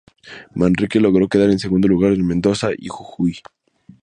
Manrique logró quedar en segundo lugar en Mendoza y Jujuy.